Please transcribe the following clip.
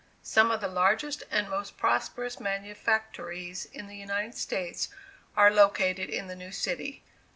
Some of the largest and most prosperous manufactories in the United States are located in the new city.